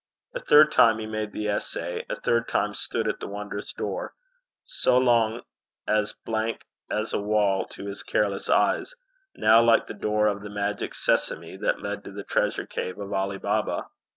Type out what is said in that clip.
A third time he made the essay, a third time stood at the wondrous door so long as blank as a wall to his careless eyes, now like the door of the magic Sesame that led to the treasure cave of Ali Baba.